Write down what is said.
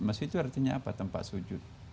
masjid itu artinya apa tempat sujud